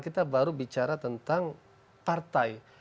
kita baru bicara tentang partai